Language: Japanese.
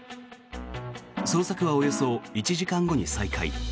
捜索はおよそ１時間後に再開。